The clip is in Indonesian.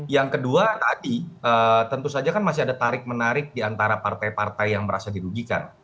yang kedua tadi tentu saja kan masih ada tarik menarik di antara partai partai yang merasa dirugikan